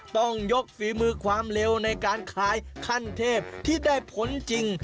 ต้องยกฝีมือความเร็วในการขายขั้นเทพที่ได้ผลจริง